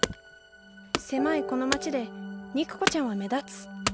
狭いこの町で肉子ちゃんは目立つ。